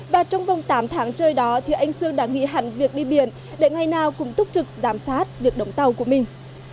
và trong vòng tám tháng trời đó thì anh sương đã nghĩ hẳn việc đi biển để ngày nào cũng túc trực giám sát việc đóng tàu của mình